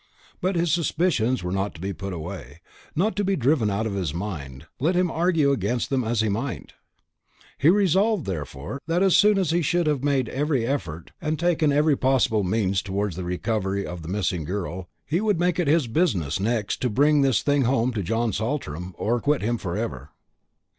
But his suspicions were not to be put away, not to be driven out of his mind, let him argue against them as he might. He resolved, therefore, that as soon as he should have made every effort and taken every possible means towards the recovery of the missing girl, he would make it his business next to bring this thing home to John Saltram, or acquit him for ever.